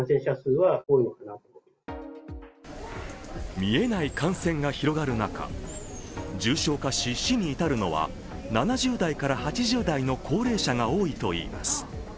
見えない感染が広がる中重症化し、死に至るのは７０代から８０代の高齢者が多いといいます。